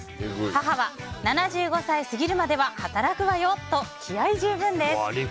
母は７５歳過ぎるまでは働くわよ！と気合十分です。